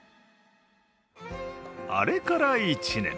あれから１年。